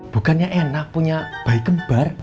bukannya enak punya bayi kembar